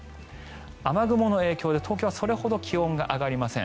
雨雲の影響で東京はそれほど気温が上がりません。